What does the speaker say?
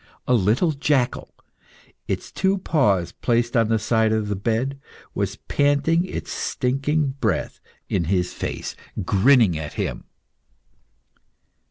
A little jackal, its two paws placed on the side of the bed, was panting its stinking breath in his face, and grinning at him.